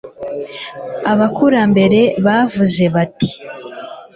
abakurambere bavuze bati